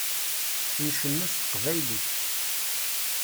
Ncennu s teqbaylit.